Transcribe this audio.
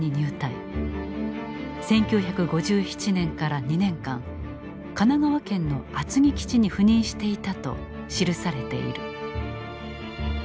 １９５７年から２年間神奈川県の厚木基地に赴任していた」と記されている。